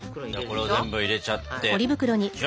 これを全部入れちゃって。